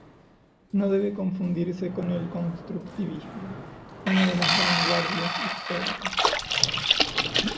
No debe confundirse con el constructivismo, una de las vanguardias históricas.